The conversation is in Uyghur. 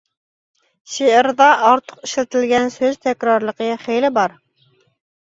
شېئىردا ئارتۇق ئىشلىتىلگەن سۆز تەكرارلىقى خېلى بار.